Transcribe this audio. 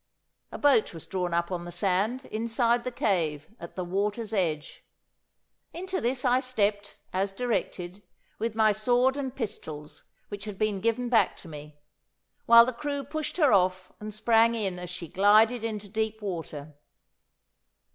A boat was drawn up on the sand, inside the cave, at the water's edge. Into this I stepped, as directed, with my sword and pistols, which had been given back to me, while the crew pushed her off and sprang in as she glided into deep water.